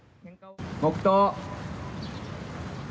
黙とう。